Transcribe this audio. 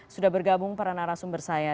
sudah bergabung para narasumber saya